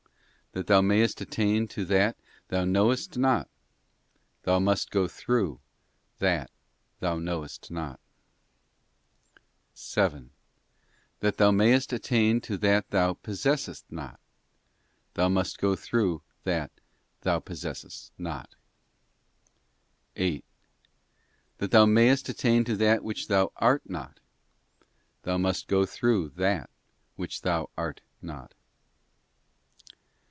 That thou mayest attain to that thou knowest not, thou must go through that thou knowest not. _ THE THIRST AFTER GOD. "51 7. That thou mayest attain to that thou possessest not, thou must go through that thou possessest not. 8. That thou mayest attain to that which thou art not, thou must go through that which thou art not.